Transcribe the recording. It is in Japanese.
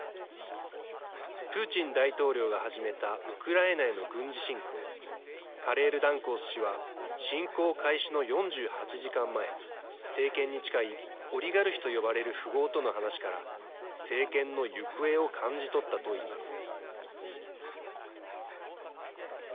プーチン大統領が始めたウクライナへの軍事侵攻カレールダンコース氏は侵攻開始の４８時間前政権に近いオリガルヒと呼ばれる富豪との話から政権の行方を感じ取ったといいます。